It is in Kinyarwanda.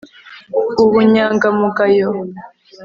ubunyangamugayo